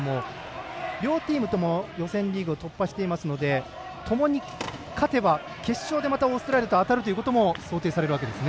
両チームとも予選リーグを突破していますのでともに勝てば決勝でオーストラリアと当たるということも想定されるわけですね。